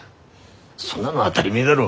そんなの当だり前だろ。